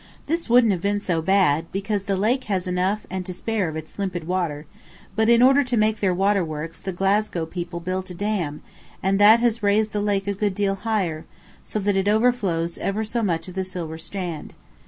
This wouldn't have been so bad, because the lake has enough and to spare of its limpid wave; but in order to make their water works the Glasgow people built a dam, and that has raised the lake a good deal higher, so that it overflows ever so much of the silver strand.